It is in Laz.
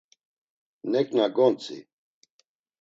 Neǩna gontzi.